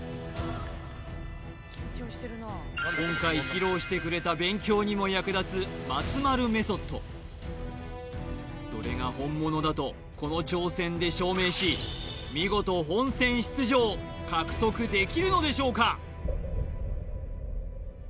今回披露してくれたそれが本物だとこの挑戦で証明し見事本戦出場獲得できるのでしょうか？